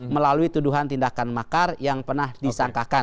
melalui tuduhan tindakan makar yang pernah disangkakan